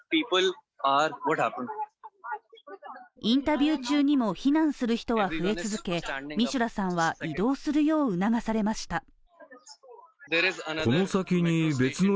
インタビュー中にも避難する人は増え続けミシュラさんは移動するよう促されました。